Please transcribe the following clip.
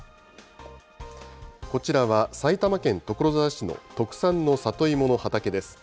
こちらは埼玉県所沢市の特産の里芋の畑です。